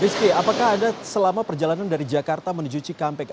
biski apakah ada selama perjalanan dari jakarta menuju cikampek